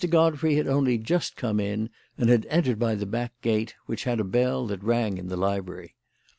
Godfrey had only just come in and had entered by the back gate, which had a bell that rang in the library.